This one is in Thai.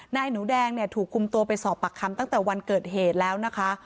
นายหนูแดงเนี่ยถูกคุมตัวไปสอบปากคำตั้งแต่วันเกิดเหตุแล้วนะคะ